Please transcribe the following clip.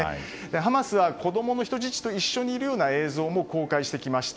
ハマスは子供の人質と一緒にいるような映像も公開してきました。